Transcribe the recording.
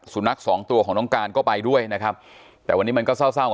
สุนัขสองตัวของน้องการก็ไปด้วยนะครับแต่วันนี้มันก็เศร้าเศร้าอ่ะ